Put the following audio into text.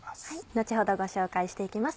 後ほどご紹介していきます